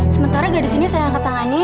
sementara gadis ini saya angkat tangani